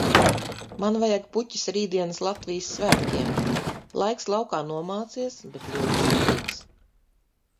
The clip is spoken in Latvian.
Man vajag puķes rītdienas Latvijas svētkiem. Laiks laukā nomācies, bet ļoti sutīgs.